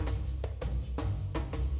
semoga hari ini berjalan baik